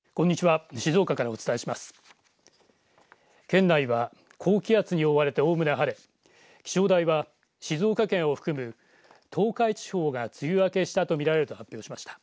県内は高気圧に覆われておおむね晴れ気象台は静岡県を含む東海地方が梅雨明けしたと見られると発表しました。